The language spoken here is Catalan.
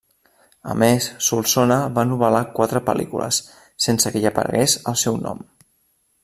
A més, Solsona va novel·lar quatre pel·lícules sense que hi aparegués el seu nom.